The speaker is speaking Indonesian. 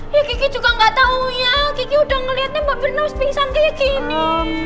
ya kiki juga gak taunya kiki udah ngeliatnya mbak mirna harus pingsan kaya gini